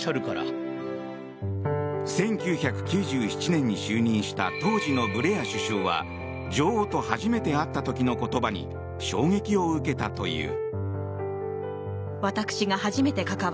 １９９７年に就任した当時のブレア首相は女王と初めて会った時の言葉に衝撃を受けたという。